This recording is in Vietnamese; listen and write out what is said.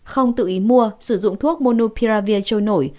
không tự ý mua sử dụng thuốc monopia trôi nổi